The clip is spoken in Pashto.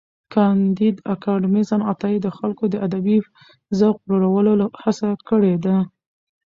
کانديد اکاډميسن عطایي د خلکو د ادبي ذوق لوړولو هڅه کړې ده.